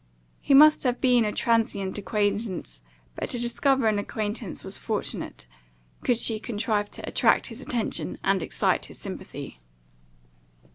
He must have been a transient acquaintance; but to discover an acquaintance was fortunate, could she contrive to attract his attention, and excite his sympathy.